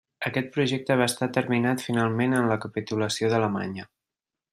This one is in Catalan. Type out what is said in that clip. Aquest projecte va està terminat finalment en la capitulació d'Alemanya.